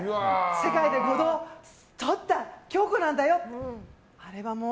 世界で５度とった京子なんだよ。